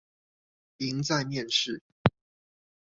贏在面試